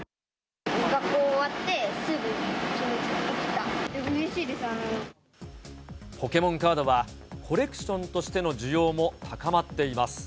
学校終わってすぐ来た、ポケモンカードは、コレクションとしての需要も高まっています。